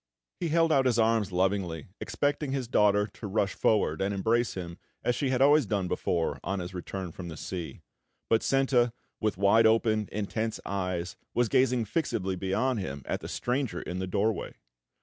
He held out his arms lovingly, expecting his daughter to rush forward and embrace him as she had always done before on his return from sea; but Senta, with wide open, intense eyes, was gazing fixedly beyond him at the stranger in the doorway.